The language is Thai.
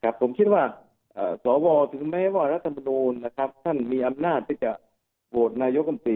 ผมคิดว่าสอบรถึงแม้ว่ารัฐบาลรัฐบุรุณมีอำนาจจะโหวตนายกลางปี